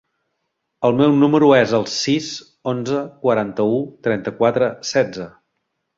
El meu número es el sis, onze, quaranta-u, trenta-quatre, setze.